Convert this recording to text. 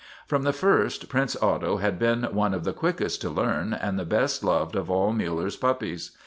From the first Prince Otto had been one of the quickest to learn and the best loved of all Miiller's puppies.